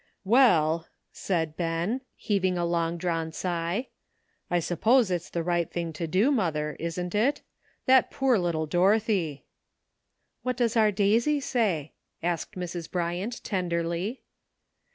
''Well," said Ben, heaving a long drawn sigh, '' I suppose it's the right thing to do, mother, isn't it ? That poor little Dorothy !" ''What does our Daisy say?" asked Mrs. Bryant tenderly.